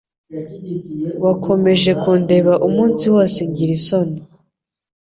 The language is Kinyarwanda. Wakomeje kundeba umunsi wose ngira isoni